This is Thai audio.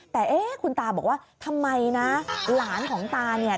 แต่เอ๊ะคุณตาบอกว่าทำไมนะหลานของตาเนี่ย